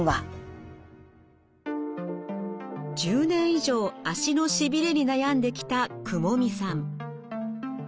１０年以上足のしびれに悩んできた雲見さん。